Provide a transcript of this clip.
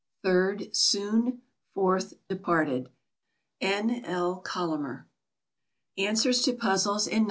Third, soon. Fourth, departed. N. L. COLLAMER. Answers to Puzzles in No.